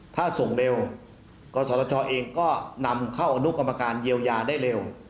ถ้าส่งเร็วกศชเองก็นำเข้าอนุกรรมการเยียวยาได้เร็ว